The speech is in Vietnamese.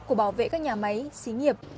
của bảo vệ các nhà máy xí nghiệp